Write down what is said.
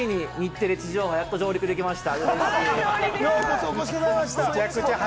ついに日テレ地上波上陸できました。